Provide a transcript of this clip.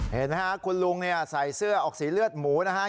เห็นไหมครับคุณลุงใส่เสื้อออกสีเลือดหมูนะครับ